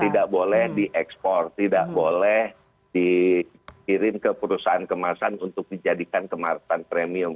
tidak boleh diekspor tidak boleh dikirim ke perusahaan kemasan untuk dijadikan kemasan premium